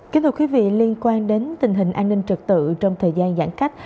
kính thưa quý vị liên quan đến tình hình an ninh trật tự trong thời gian giãn cách